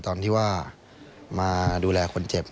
ตอนที่ว่ามาดูแลคนเจ็บ